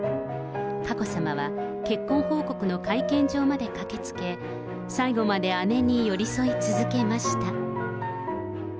佳子さまは、結婚報告の会見場まで駆けつけ、最後まで姉に寄り添い続けました。